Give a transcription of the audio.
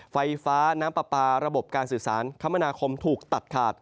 ไฟฟ้าน้ำปลาปลาระบบการสื่อสารคมนาคมถูกตัดขาด